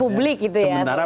di publik gitu ya